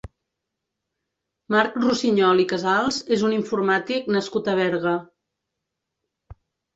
Marc Rossinyol i Casals és un informàtic nascut a Berga.